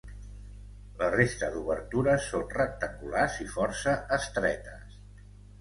La resta d'obertures són rectangulars i força estretes.